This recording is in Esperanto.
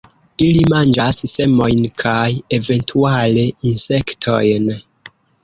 Ili manĝas semojn kaj eventuale insektojn.